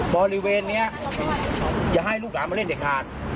บริเวณนี้อย่าให้ลูกหลานมาเล่นเด็ดขาด